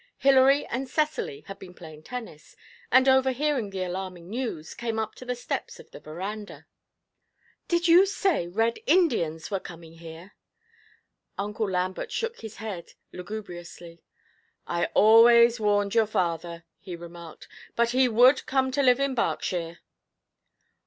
Hilary and Cecily had been playing tennis, and, overhearing the alarming news, came up to the steps of the verandah. 'Did you say Red Indians were coming here?' Uncle Lambert shook his head lugubriously. 'I always warned your father,' he remarked; 'but he would come to live in Berkshire.'